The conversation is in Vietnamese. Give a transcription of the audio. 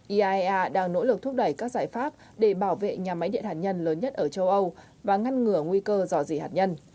iaea đang nỗ lực thúc đẩy các giải pháp để bảo vệ nhà máy điện hạt nhân lớn nhất ở châu âu và ngăn ngừa nguy cơ dò dỉ hạt nhân